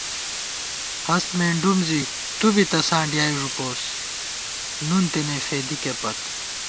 ہست مېنڈُوم زی تُو بی تساں ڈیائےݫُپوس ، نُن تېنےفېدِکےپت